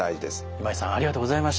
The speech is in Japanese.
今井さんありがとうございました。